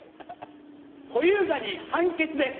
小遊三に判決です。